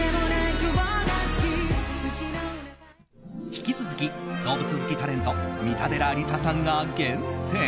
引き続き、動物好きタレント三田寺理紗さんが厳選！